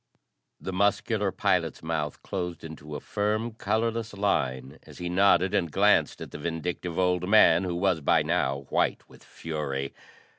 The muscular pilot's mouth closed into a firm, colorless line as he nodded and glanced at the vindictive old man who was by now white with fury.